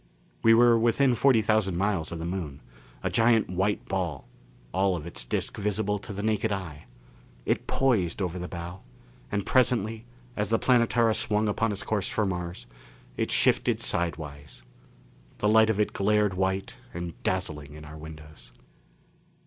We were within forty thousand miles of the Moon. A giant white ball all of its disc visible to the naked eye. It poised over the bow, and presently, as the Planetara swung upon its course for Mars, it shifted sidewise. The light of it glared white and dazzling in our windows.